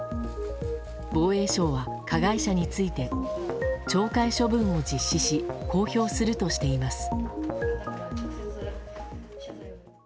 防衛省は、加害者について懲戒処分を実施し公表するとしています。